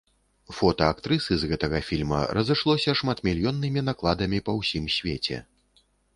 Фота актрысы з гэтага фільма разышлося шматмільённымі накладамі па ўсім свеце.